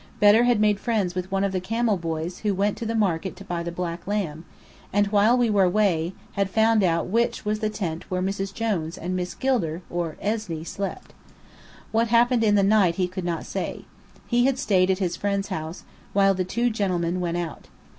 Bedr had made friends with one of the camel boys who went to market to buy the black lamb: and while we were away, had found out which was the tent where Mrs. Jones and Miss Gilder (or "Esney") slept. What happened in the night he could not say. He had stayed at his friend's house, while the two gentlemen went out.